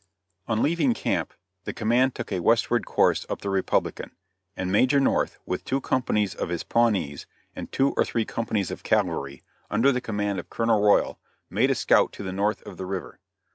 On leaving camp, the command took a westward course up the Republican, and Major North with two companies of his Pawnees and two or three companies of cavalry, under the command of Colonel Royal, made a scout to the north of the river.